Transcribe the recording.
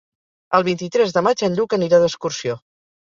El vint-i-tres de maig en Lluc anirà d'excursió.